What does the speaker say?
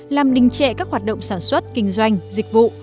làm đình trệ các hoạt động sản xuất kinh doanh dịch vụ